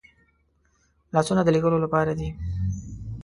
لاسونه د لیکلو لپاره دي